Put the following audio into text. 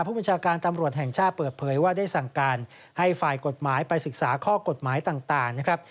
ผู้บัญชาการตำรวจแห่งชาติเปิดเผยว่าได้สั่งการให้ฝ่ายกฎหมายไปศึกษาข้อกฎหมายต่างนะครับ